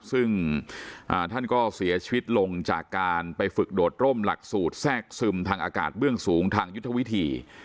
ซึ่งท่านก็เสียชีวิตลงจากการไปฝึกโดดร่มหลักสูตรแทรกซึมทางอากาศเบื้องสูงทางยุทธวิธี